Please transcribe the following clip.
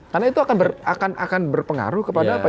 karena itu akan berpengaruh kepada apa